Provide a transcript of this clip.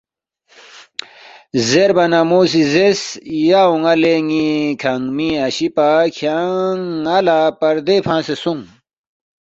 زیربا نہ مو سی زیرس، ”یا اون٘ا لے ن٘ی کھانگمی اشی پا کھیانگ ن٘ا لہ پردے فنگسے سونگ